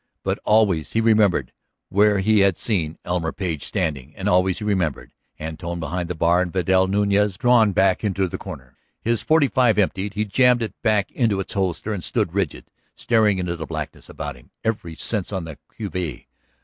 But always he remembered where he had seen Elmer Page standing, and always he remembered Antone behind the bar, and Vidal Nuñez drawn back into a corner. His forty five emptied, he jammed it back into its holster and stood rigid, staring into the blackness about him, every sense on the qui vive.